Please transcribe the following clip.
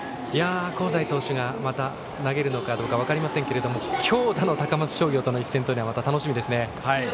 香西投手がまた投げるのかどうか分かりませんが強打の高松商業との一戦はまた楽しみですね。